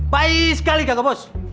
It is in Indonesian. baik sekali gagah bos